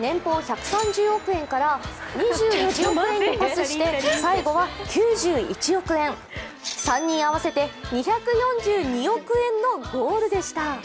年俸１３０億円から２１億円にパスして最後は９１億円、３人合わせて２４２億円のゴールでした。